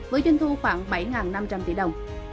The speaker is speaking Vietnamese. với doanh thu khoảng bảy năm trăm linh tỷ đồng